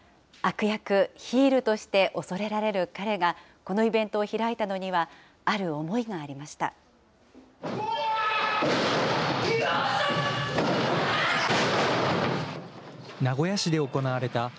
悪役、ヒールとして恐れられる彼が、このイベントを開いたのには、ある思いがありました。